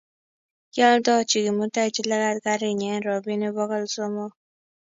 Kialdochi Kimutai Jelagat karinyi eng robinik pokol somok